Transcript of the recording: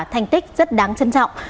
thành tích rất đáng trân trọng